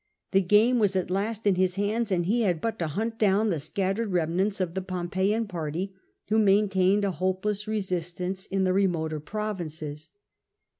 The game was at last in his hands, and he had but to hunt down the scattered remnants of the Pompeian party, who main tained a hopeless resistance in ih© remoter provinces.